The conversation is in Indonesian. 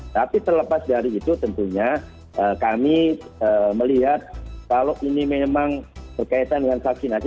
tapi terlepas dari itu tentunya kami melihat kalau ini memang berkaitan dengan vaksinasi